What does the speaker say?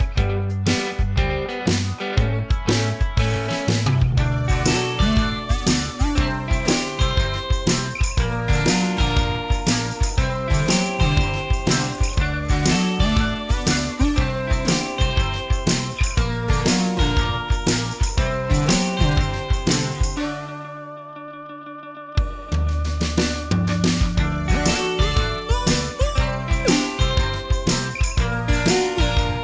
สวัสดีครับ